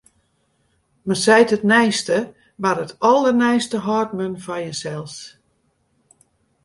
Men seit it neiste, mar it alderneiste hâldt men foar jinsels.